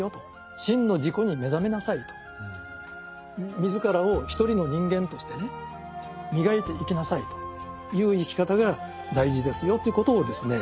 自らを一人の人間としてね磨いていきなさいという生き方が大事ですよということをですね